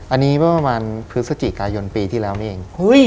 อันนี้เมื่อประมาณพฤศจิกายนปีที่แล้วนี่เอง